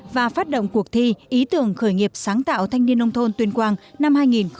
và phát động cuộc thi ý tưởng khởi nghiệp sáng tạo thanh niên nông thôn tuyên quang năm hai nghìn hai mươi